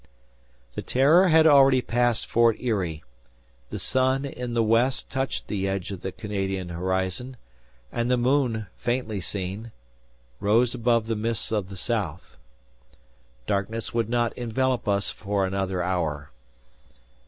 The "Terror" had already passed Fort Erie. The sun in the west touched the edge of the Canadian horizon, and the moon, faintly seen, rose above the mists of the south. Darkness would not envelop us for another hour.